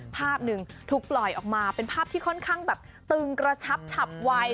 ภาพหนึ่งถูกปล่อยออกมาเป็นภาพที่ค่อนข้างแบบตึงกระชับฉับไว